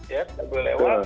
ya tidak boleh lewat